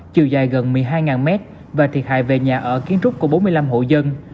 chiều dài gần một mươi hai mét và thiệt hại về nhà ở kiến trúc của bốn mươi năm hộ dân